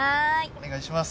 お願いします